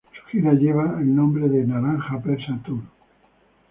Su gira lleva el nombre de Naranja Persa Tour.